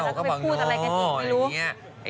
คุณต้านลองก็บอกก็บอกโง่ไอนี่